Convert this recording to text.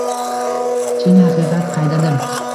Chin haqiqat qaydadir.